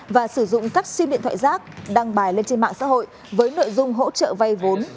và sử dụng các sim điện thoại rác đăng bài lên trên mạng xã hội với nội dung hỗ trợ vay vốn